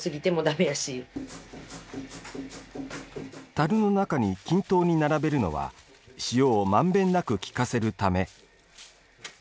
たるの中に均等に並べるのは塩をまんべんなく利かせるため。